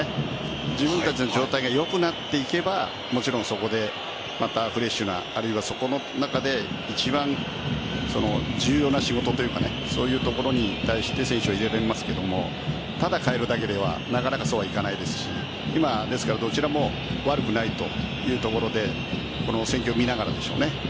自分たちの状態が良くなっていけばそこでまたフレッシュなあるいはそこの中で一番重要な仕事というかそういうところに対して選手を入れられますけどただ代えるだけではなかなかそうはいかないですし今どちらも悪くないというところでこの戦況を見ながらでしょうね。